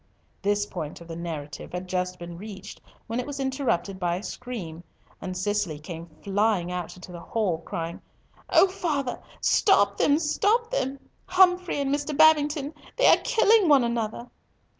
This point of the narrative had just been reached when it was interrupted by a scream, and Cicely came flying into the hall, crying, "O father, father, stop them! Humfrey and Mr. Babington! They are killing one another."